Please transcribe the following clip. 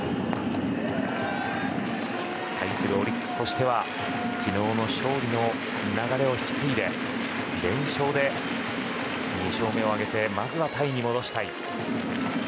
オリックスとしては昨日の勝利の流れを引き継ぎ連勝で２勝目を挙げてまずはタイに戻したい。